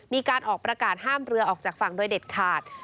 มีการออกประกาศห้ามเรือออกจากฝั่งโดยเด็ดขาด